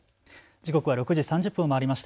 時刻は６時３０分を回りました。